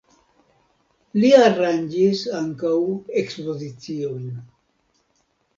Li aranĝis ankaŭ ekspoziciojn.